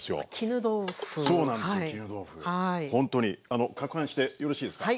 あのかくはんしてよろしいですか？